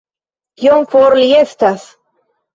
Kiom for li estas